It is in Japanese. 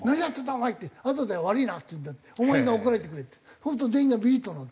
そうすると全員がビリッとなる。